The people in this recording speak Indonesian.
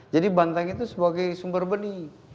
jadi bantaeng itu sebagai sumber benih